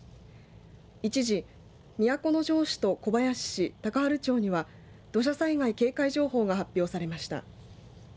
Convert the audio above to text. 一時、都城市と小林市高原町には土砂災害警戒情報が発表されました。